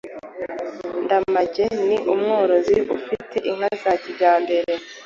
Ndamage ni umworozi afite inka za kijyambere.